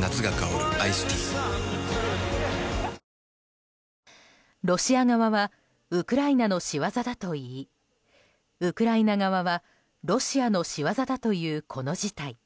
夏が香るアイスティーロシア側はウクライナの仕業だといいウクライナ側はロシアの仕業だというこの事態。